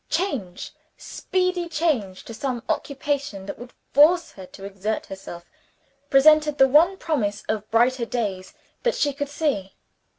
Change, speedy change, to some occupation that would force her to exert herself, presented the one promise of brighter days that she could see.